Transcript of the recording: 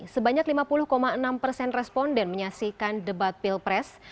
sebanyak lima puluh enam persen responden menyaksikan debat pilpres